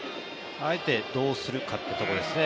あえてどうするかということですね。